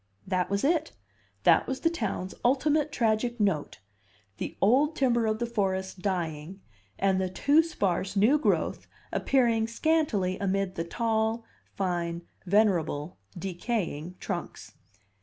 That was it; that was the town's ultimate tragic note: the old timber of the forest dying and the too sparse new growth appearing scantily amid the tall, fine, venerable, decaying trunks.